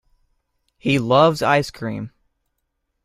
He loves ice cream.